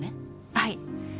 はい。